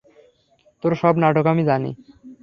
তোর সব নাটক আমি জানি।